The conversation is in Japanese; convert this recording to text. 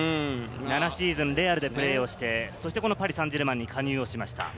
７シーズン、レアルでプレーをして、このパリ・サンジェルマンに加入しました。